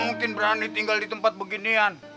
mungkin berani tinggal di tempat beginian